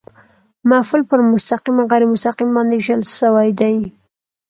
مفعول پر مستقیم او غېر مستقیم باندي وېشل سوی دئ.